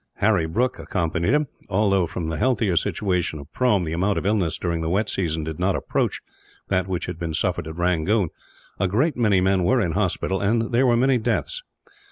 Harry Brooke accompanied him. Although from the healthier situation of Prome, the amount of illness during the wet season did not approach that which had been suffered at Rangoon, a great many men were in hospital, and there were many deaths.